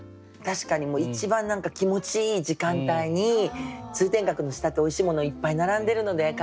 確かに一番何か気持ちいい時間帯に通天閣の下っておいしいものいっぱい並んでるので関西の名物が。